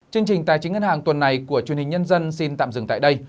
chương trình tài chính ngân hàng tuần này của truyền hình nhân dân xin tạm dừng tại đây